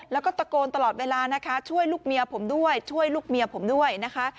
แล้วก็ตะโกนตลอดเวลานะคะช่วยลูกเมียผมด้วยช่วยลูกเมียผมด้วยนะคะ